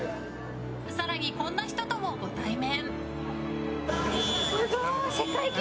更にこんな人ともご対面。